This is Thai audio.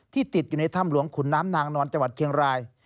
ติดอยู่ในถ้ำหลวงขุนน้ำนางนอนจังหวัดเชียงราย